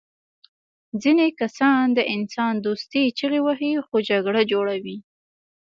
ځینې کسان د انسان دوستۍ چیغې وهي خو جګړه جوړوي